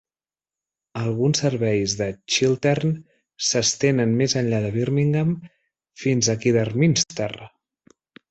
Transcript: Alguns serveis de Chiltern s'estenen més enllà de Birmingham fins a Kidderminster.